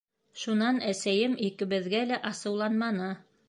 Шунан әсәйем икебеҙгә лә асыуланманы.